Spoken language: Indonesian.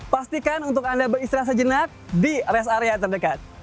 pastikan untuk anda beristirahat sejenak di rest area terdekat